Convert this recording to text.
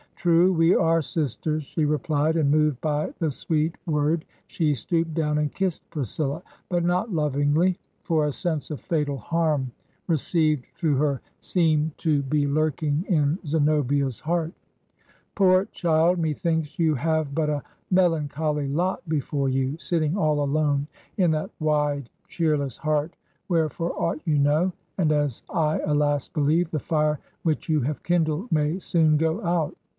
'True, we are sisters!' she replied; and, moved by the sweet word, she stooped down and kissed Priscilla ; but not lovingly, for a sense of fatal harm received through her seemed to 182 Digitized by VjOOQIC HAWTHORNE'S MIRIAM AND HILDA be lurking in Zenobia's heart. ... 'Poot child! Methinks you have but a melancholy lot before you, sitting all alone in that wide, cheerless heart, where, for aught you know — ^and as I, alas I believe — the fire which you have kindled may soon go out.